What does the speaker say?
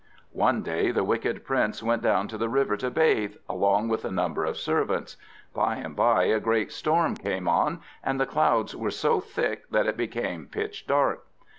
One day the Wicked Prince went down to the river to bathe, along with a number of servants. By and by a great storm came on, and the clouds were so thick that it became pitch dark.